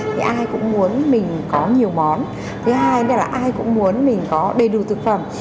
thì ai cũng muốn mình có nhiều món thứ hai nữa là ai cũng muốn mình có đầy đủ thực phẩm